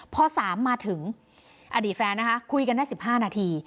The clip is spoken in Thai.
พอ๓มาถึงอดีตแฟนนะคะคุยกันได้๑๕นาที